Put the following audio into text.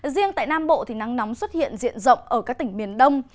riêng tại nam bộ thì nắng nóng xuất hiện diện rộng ở các tỉnh miền đông